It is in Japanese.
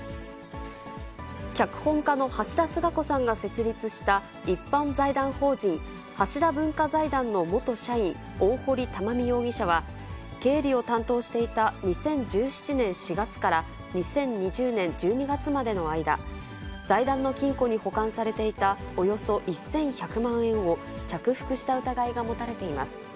脚本家の橋田壽賀子さんが設立した一般財団法人橋田文化財団の元社員、大堀たまみ容疑者は、経理を担当していた２０１７年４月から２０２０年１２月までの間、財団の金庫に保管されていたおよそ１１００万円を着服した疑いが持たれています。